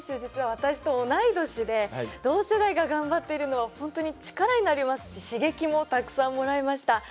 実は私と同い年で同世代が頑張っているのは本当に力になりますし刺激もたくさんもらいました。